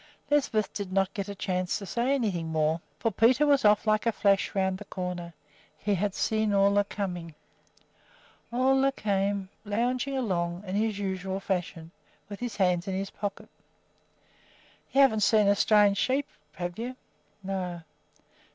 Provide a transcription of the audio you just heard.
Lisbeth did not get a chance to say anything more, for Peter was off like a flash around the corner. He had seen Ole coming. Ole came lounging along in his usual fashion, with his hands in his pockets. "You haven't seen a strange sheep, have you?" "No."